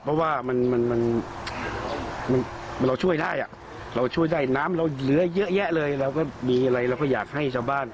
เพราะว่ามันเราช่วยได้เราช่วยได้น้ำเราเหลือเยอะแยะเลยเราก็มีอะไรเราก็อยากให้ชาวบ้าน